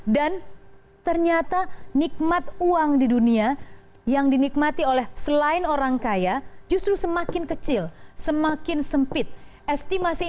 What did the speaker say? dan ternyata nikmat uang di dunia yang dinikmati oleh selain orang kaya justru semakin kecil semakin sempit